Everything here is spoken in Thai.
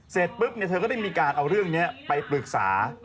เศ็ดปุ๊บเนี่ยเธอก็ได้มีการเอาเรื่องเนี้ยไปปรึกษา